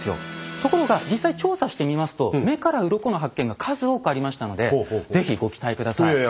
ところが実際調査してみますと目からうろこの発見が数多くありましたので是非ご期待下さい。